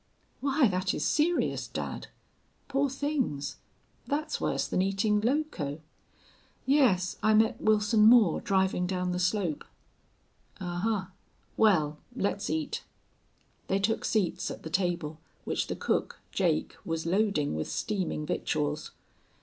"Why, that is serious, dad! Poor things! That's worse than eating loco.... Yes, I met Wilson Moore driving down the slope." "Ahuh! Wal, let's eat." They took seats at the table which the cook, Jake, was loading with steaming victuals.